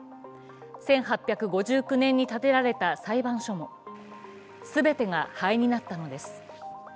１８５９年に建てられた裁判所も全てが灰になったのです。